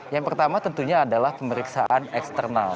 yang pertama tentunya adalah pemeriksaan eksternal